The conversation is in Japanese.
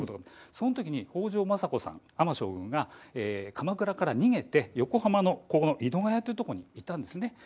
その時に北条政子尼将軍が鎌倉から逃げて横浜の井土ケ谷というところに行ったんですね。